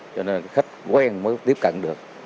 cho nên khách quen mới tiếp cận được